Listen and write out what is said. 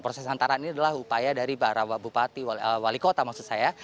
proses hantaran ini adalah upaya dari bapak rawa bupati wali kota maksud saya